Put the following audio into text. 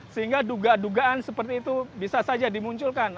sehingga dugaan dugaan seperti itu bisa saja dimunculkan